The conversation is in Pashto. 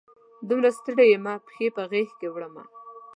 دومره ستړي یمه، پښې په غیږ کې وړمه